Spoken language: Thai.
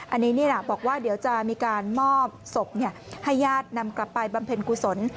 อันนี้นี่แหละบอกว่าเดี๋ยวจะมีการมอบศพให้ญาตินำกลับไปบำเพ็ญกุศล